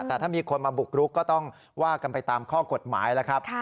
แต่ถ้ามีคนมาบุกรุกก็ต้องว่ากันไปตามข้อกฎหมายแล้วครับ